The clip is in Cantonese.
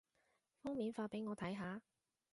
封面發畀我睇下